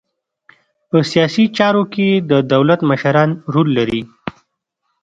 په سیاسي چارو کې د دولت مشران رول لري